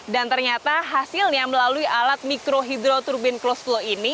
dan ternyata hasilnya melalui alat mikrohydroturbin klostul ini